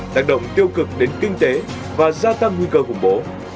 tác động tiêu cực đến kinh tế và gia tăng nguy cơ khủng bố